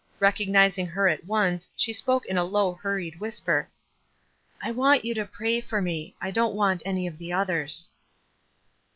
Recognizing her at once, she spoke in a low, hurried whisper. "I want you to pray for me. I didn't want any of the others."